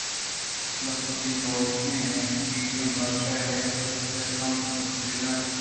بس وتی نوکین ءُ تیریں بادشاہ ءِ تُشے ہم سُدّے نہ داشت